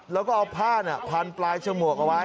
แล้วก็เอาผ้าพันปลายฉมวกเอาไว้